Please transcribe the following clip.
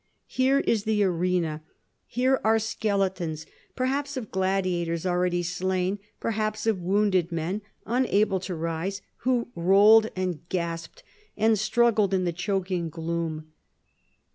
Here is the arena. Here were skeletons; perhaps of gladiators already slain; perhaps of wounded men, unable to rise, who rolled and gasped, and struggled in the choking gloom.